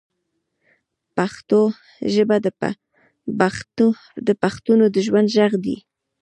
پښتو ژبه د بښتنو د ژوند ږغ دی